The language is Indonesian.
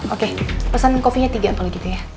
oke pesan kopinya tiga kalau gitu ya